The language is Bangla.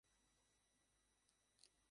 রাজহাঁসের মাংস খেতে অনেকেই পছন্দ করেন।